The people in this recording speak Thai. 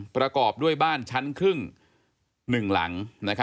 ประกอบด้วยบ้านชั้นครึ่ง๑หลัง